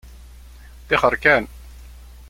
Ṭṭixer kan.